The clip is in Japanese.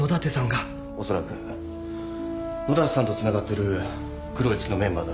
おそらく野立さんとつながってる黒い月のメンバーだろう。